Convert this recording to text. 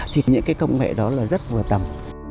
thì những cái công nghệ đó là rất vừa tầm